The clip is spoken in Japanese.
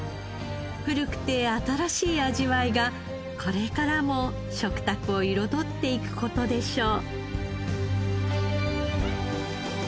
古くて新しい味わいがこれからも食卓を彩っていく事でしょう。